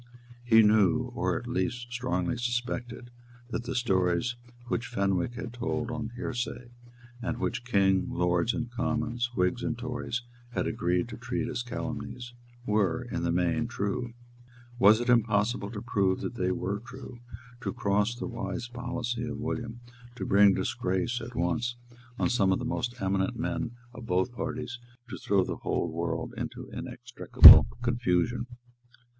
He knew, or at least strongly suspected, that the stories which Fenwick had told on hearsay, and which King, Lords and Commons, Whigs and Tories, had agreed to treat as calumnies, were, in the main, true. Was it impossible to prove that they were true, to cross the wise policy of William, to bring disgrace at once on some of the most eminent men of both parties, to throw the whole political world into inextricable confusion?